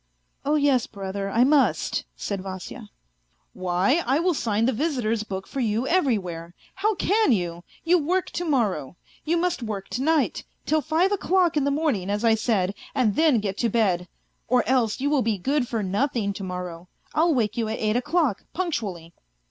" Oh yes, brother, I must," said Vasya. " Why, I will sign the visitors' book for you everywhere. ... How can you ? You work to rnorrow. You must work to night, till five o'clock in the morning, as I said, and then get to bed. Or else you will be good for nothing to morrow. I'll wake you at eight o'clock, punctually."